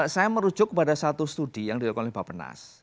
saya merujuk kepada satu studi yang dilakukan oleh bapak penas